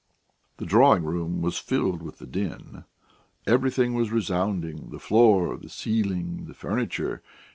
The drawing room was filled with the din; everything was resounding; the floor, the ceiling, the furniture....